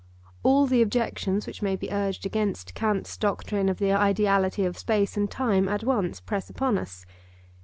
All the objections which may be urged against Kant's doctrine of the ideality of space and time at once press upon us.